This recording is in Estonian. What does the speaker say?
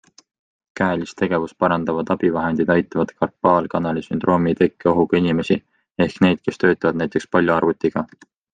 Käelist tegevust parendavad abivahendid aitavad karpaalkanali sündroomi tekke ohuga inimesi ehk neid, kes töötavad näiteks palju arvutiga.